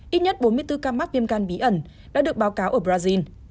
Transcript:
ít nhất bốn mươi bốn ca mắc viêm gan bí ẩn đã được báo cáo ở brazil